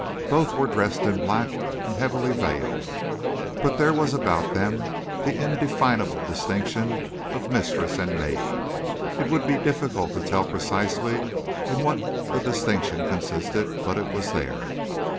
Both were dressed in black and heavily veiled, but there was about them the indefinable distinction of mistress and maid. It would be difficult to tell precisely in what the distinction consisted, but it was there.